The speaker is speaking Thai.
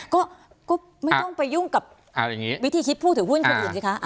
ก็ไม่ต้องไปยุ่งกับวิธีคิดผู้ถือหุ้นคนอื่นสิคะ